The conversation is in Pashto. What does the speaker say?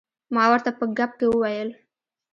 ما ورته په ګپ کې وویل.